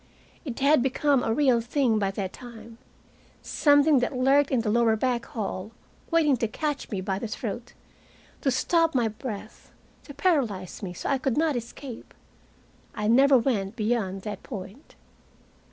It had become a real thing by that time, something that lurked in the lower back hall waiting to catch me by the throat, to stop my breath, to paralyze me so I could not escape. I never went beyond that point.